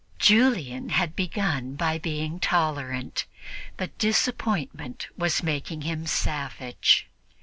Julian had begun by being tolerant, but disappointment was making him savage.